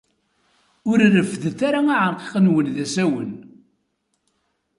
Ur reffdet ara aɛenqiq-nwen d asawen.